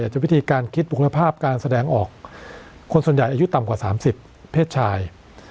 จะวิธีการคิดบุคภาพการแสดงออกคนส่วนใหญ่อายุต่ำกว่า๓๐เพศชาย